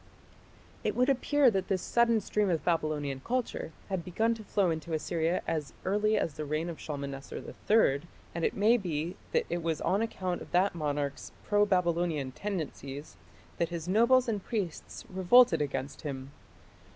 It would appear that this sudden stream of Babylonian culture had begun to flow into Assyria as early as the reign of Shalmaneser III, and it may be that it was on account of that monarch's pro Babylonian tendencies that his nobles and priests revolted against him.